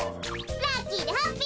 ラッキーでハッピー！